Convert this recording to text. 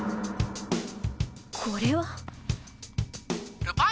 これは。